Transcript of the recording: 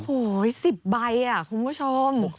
โอ้โห๑๐ใบคุณผู้ชม